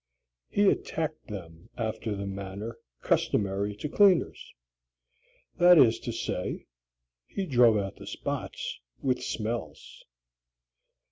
He attacked them after the manner customary to cleaners; that is to say, he drove out the spots with smells.